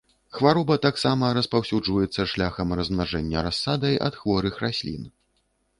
Хвароба таксама распаўсюджваецца шляхам размнажэння расадай ад хворых раслін.